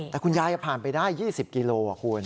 แต่คุณยายผ่านไปได้๒๐กิโลคุณ